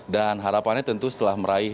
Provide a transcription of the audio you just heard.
dan harapannya tentu setelah meraih